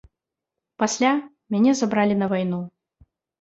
Пасля мяне забралі на вайну.